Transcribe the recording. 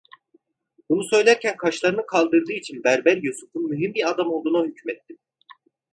Bunu söylerken kaşlarını kaldırdığı için berber Yusuf'un mühim bir adam olduğuna hükmettim.